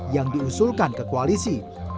yang diusulkan ke koalisi